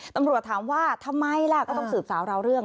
ตำรวจถามว่าทำไมล่ะก็ต้องสืบสาวราวเรื่อง